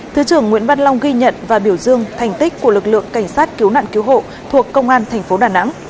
thứ trưởng nguyễn văn long ghi nhận và biểu dương thành tích của lực lượng cảnh sát cứu nạn cứu hộ thuộc công an thành phố đà nẵng